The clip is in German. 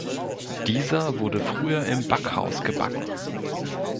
Dieser wurde früher im Backhaus gebacken.